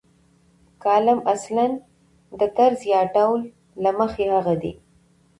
کالم اصلاً د طرز یا ډول له مخې هغه دی.